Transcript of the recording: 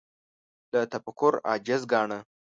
له تفکر عاجز ګاڼه